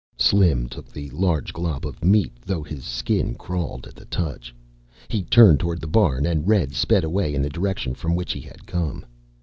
Slim took the large glob of meat though his skin crawled at the touch. He turned toward the barn and Red sped away in the direction from which he had come.